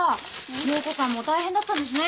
容子さんも大変だったんですね